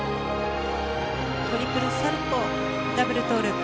トリプルサルコウダブルトウループ。